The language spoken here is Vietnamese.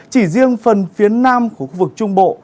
chỉ riêng phần phía nam của khu vực trung bộ